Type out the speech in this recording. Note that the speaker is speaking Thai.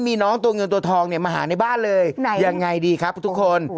มีน้องตัวเงินตัวทองเนี่ยมาหาในบ้านเลยยังไงดีครับทุกคน